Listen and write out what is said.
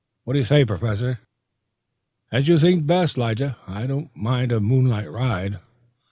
"What do you say, Professor?" "As you think best, Lige. I do not mind a moonlight ride."